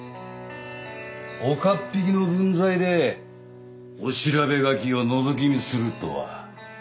岡っ引きの分際で御調べ書きをのぞき見するとは。